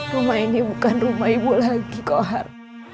rumah ini bukan rumah ibu lagi kohar